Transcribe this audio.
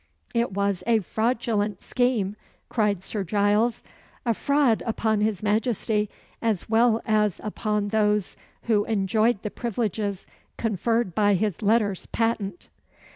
"It was a fraudulent scheme," cried Sir Giles; "a fraud upon his Majesty, as well as upon those who enjoyed the privileges conferred by his letters patent."